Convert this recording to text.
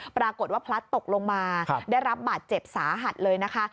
ปรากฏว่าพลัดตกลงมาได้รับบาดเจ็บสาหัสเลยนะคะ